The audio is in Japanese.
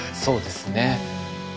そうですね。